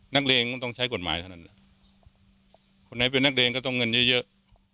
เลงมันต้องใช้กฎหมายเท่านั้นคนไหนเป็นนักเลงก็ต้องเงินเยอะเยอะ